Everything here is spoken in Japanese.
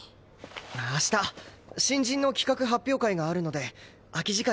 明日新人の企画発表会があるので空き時間に練習を。